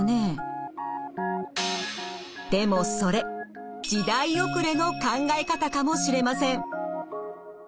でもそれ時代遅れの考え方かもしれません。